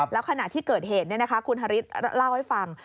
แล้วขณะที่เกิดเหตุคุณฮาริสเล่าให้ฟัง